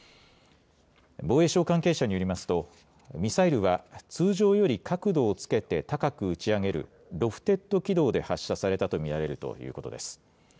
防衛省関係者によりますと、ミサイルは通常より角度をつけて高く打ち上げるロフテッド軌道で発射されたと見られるということです。